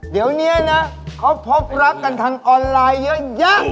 เดี๋ยวนี้นะเขาพบรักกันทางออนไลน์เยอะแยะ